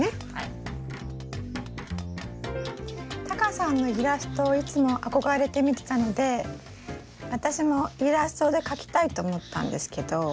タカさんのイラストをいつも憧れて見てたので私もイラストで描きたいと思ったんですけど。